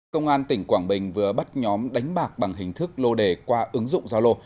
công an tỉnh quảng bình vừa bắt nhóm đánh bạc bằng hình thức lô đề qua ứng dụng giao lô